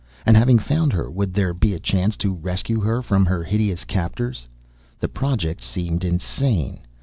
And having found her, would there be a chance to rescue her from her hideous captors? The project seemed insane.